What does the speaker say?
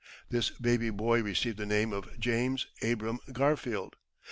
This baby boy received the name of James Abram Garfield.